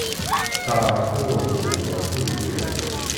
Ttaṛ uɛudiw ɣef uleggam.